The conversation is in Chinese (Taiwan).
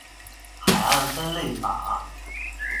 海岸分類法